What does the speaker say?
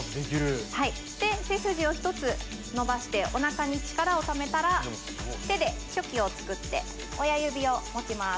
で背筋を伸ばしておなかに力をためたら手でチョキを作って親指を持ちます。